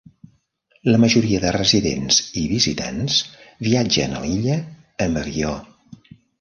La majoria de residents i visitants viatgen a l'illa amb avió.